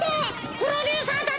プロデューサーだってよ！